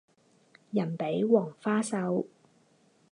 人比黄花瘦